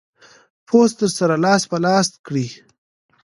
پوسټ در سره لاس پر لاس کړئ.